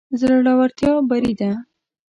زړورتيا بري ده.